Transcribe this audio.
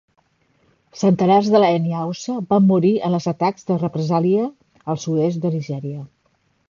Centenars de l'ètnia Haussa van morir en els atacs de represàlia al sud-est de Nigèria.